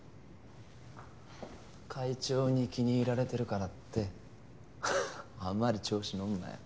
会長に気に入られてるからってあんまり調子のんなよ。